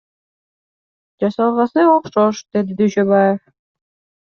Жасалгасы окшош, — деди Дүйшөбаев.